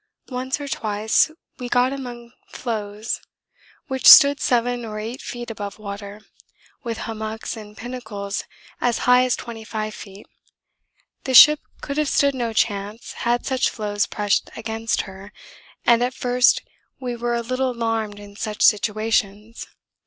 'Once or twice we got among floes which stood 7 or 8 feet above water, with hummocks and pinnacles as high as 25 feet. The ship could have stood no chance had such floes pressed against her, and at first we were a little alarmed in such situations.